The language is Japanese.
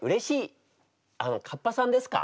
あのかっぱさんですか？